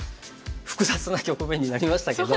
複雑な局面になりましたけど。